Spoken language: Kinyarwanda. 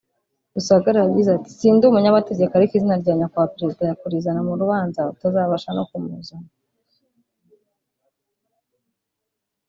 Rusagara yagize ati “si ndi umunyamategeko ariko izina rya nyakubahwa perezida kurizana mu rubanza utazabasha no kumuzana